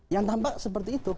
yang tampak seperti itu